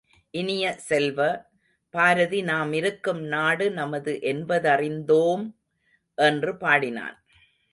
இனிய செல்வ, பாரதி நாமிருக்கும் நாடு நமது என்பதறிந்தோம்! என்று பாடினான்.